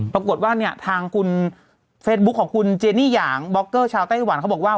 ปรากฏว่าเนี่ยทางคุณเฟซบุ๊คของคุณเจนี่หยางบล็อกเกอร์ชาวไต้หวันเขาบอกว่า